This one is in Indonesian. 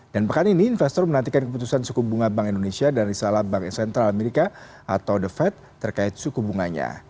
dan pekan ini investor menantikan keputusan suku bunga bank indonesia dan risalah bank sentral amerika atau the fed terkait suku bunganya